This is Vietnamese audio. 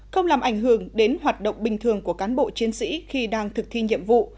không làm ảnh hưởng đến hoạt động bình thường của cán bộ chiến sĩ khi đang thực thi nhiệm vụ